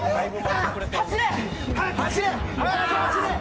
走れ！